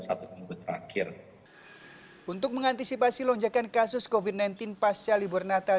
satu minggu terakhir untuk mengantisipasi lonjakan kasus kovinentin pasca libur natal